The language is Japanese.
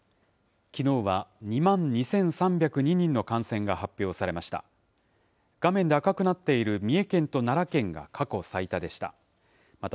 きのうは２万２３０２人の感染が発表されました。